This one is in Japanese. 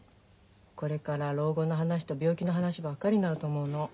これから老後の話と病気の話ばっかりになると思うの。